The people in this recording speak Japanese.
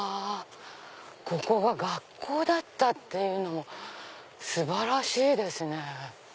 ここが学校だったっていうのも素晴らしいですね。